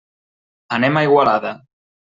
Anem a Igualada.